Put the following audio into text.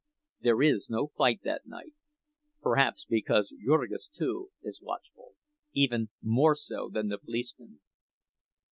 There is no fight that night—perhaps because Jurgis, too, is watchful—even more so than the policeman.